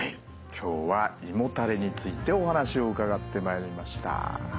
今日は胃もたれについてお話を伺ってまいりました。